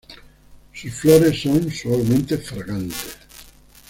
Sus flores son suavemente fragantes.